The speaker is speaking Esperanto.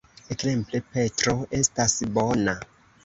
Ekzemple: Petro estas bona.